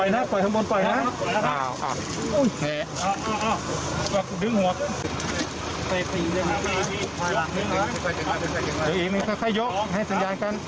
นี่ค่ะเดี๋ยวอีกนิดนึงค่อยยกให้สัญญาณกัน